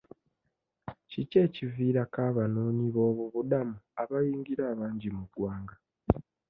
Kiki ekiviirako abanoonyiboobubudamu abayingira abangi mu ggwanga?